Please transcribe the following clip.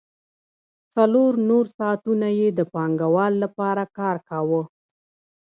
څلور نور ساعتونه یې د پانګوال لپاره کار کاوه